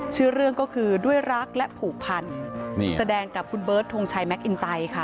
ชื่อเรื่องก็คือด้วยรักและผูกพันนี่แสดงกับคุณเบิร์ตทงชัยแมคอินไตค่ะ